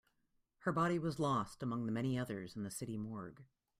Her body was lost among the many others in the city morgue.